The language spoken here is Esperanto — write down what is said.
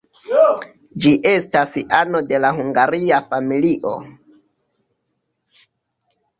Ĝi estas ano de la hungaria familio.